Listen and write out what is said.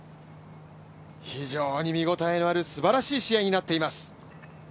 非常に見応えのあるすばらしい試合になっています。